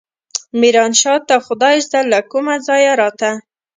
ميرانشاه ته خدايزده له کوم ځايه راته.